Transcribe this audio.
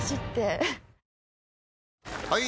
・はい！